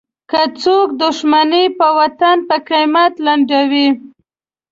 که څوک دوښمني په وطن په قیمت لنډوي.